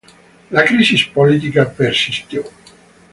La crisis política persistió.